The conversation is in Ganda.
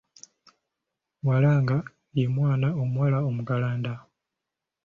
Walaanga ye mwana omuwala omuggalanda.